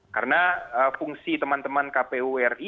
karena fungsi teman teman kpu ri